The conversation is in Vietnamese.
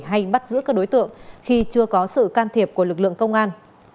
hay bắt giữ các đối tượng khi chưa có sự can thiệp của lực lượng công an